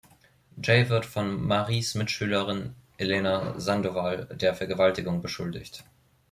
Jay wird von Maries Mitschülerin Elena Sandoval der Vergewaltigung beschuldigt.